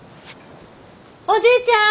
おじいちゃん！